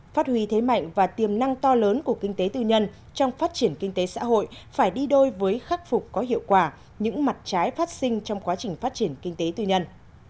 phát huy thế mạnh và tiềm năng to lớn của kinh tế tư nhân trong phát triển kinh tế xã hội phải đi đôi với khắc phục có hiệu quả những mặt trái phát sinh trong quá trình phát triển kinh tế tư nhân